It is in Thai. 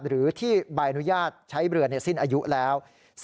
หรือที่ใบอนุญาตใช้เรือในสิ้นอายุแล้ว